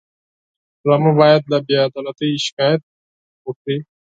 ډرامه باید له بېعدالتۍ شکایت وکړي